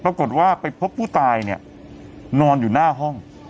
ปรากฏว่าไปพบผู้ตายเนี่ยนอนอยู่หน้าห้อง